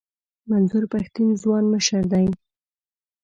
منظور پښتین ځوان مشر دی.